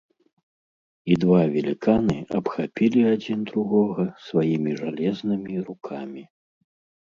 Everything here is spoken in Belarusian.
І два веліканы абхапілі адзін другога сваімі жалезнымі рукамі.